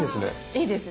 いいですね。